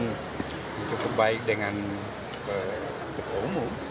yang cukup baik dengan ketua umum